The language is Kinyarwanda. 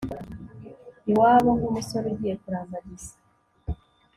iwabo nk'umusore ugiye kurambagiza